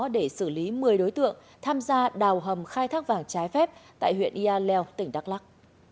để xử lý một mươi đối tượng tham gia đào hầm khai thác vàng trái phép tại huyện yà leo tỉnh đắk lắc